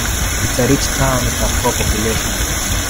It's a rich town with a poor population.